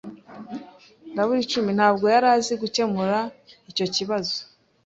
ntabwo yari azi gukemura icyo kibazo.